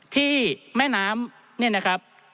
ที่แม่น้ำเนี่ยนะครับ